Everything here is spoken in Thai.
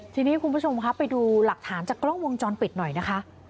ทีนี้คุณผู้ชมครับไปดูหลักฐานจากกล้องวงจรปิดหน่อยนะคะ